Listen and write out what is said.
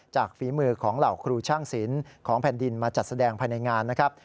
ฝีมือของเหล่าครูช่างศิลป์ของแผ่นดินมาจัดแสดงภายในงานนะครับ